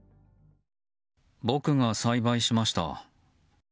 僕が栽培しました。